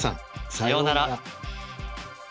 さようなら。